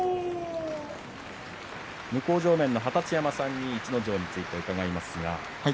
向正面の二十山さんに逸ノ城について伺います。